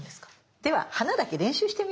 では花だけ練習してみましょうか。